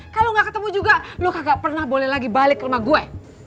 kalo ga ketemu juga lo kagak pernah boleh lagi balik ke rumah gue